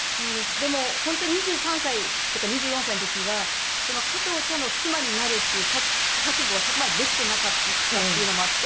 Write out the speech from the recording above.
でも本当に２３歳とか２４歳の時は加藤茶の妻になるっていう覚悟はそこまでできてなかったっていうのもあって。